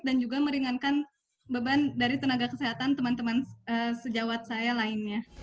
dan juga meringankan beban dari tenaga kesehatan teman teman sejawat saya lainnya